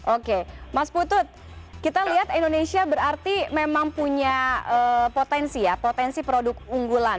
oke mas putut kita lihat indonesia berarti memang punya potensi ya potensi produk unggulan